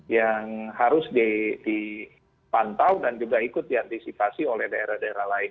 yang harus dipantau dan juga ikut diantisipasi oleh daerah daerah lain